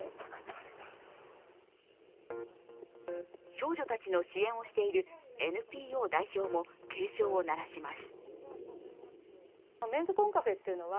少女たちの支援をしているＮＰＯ代表も警鐘を鳴らします。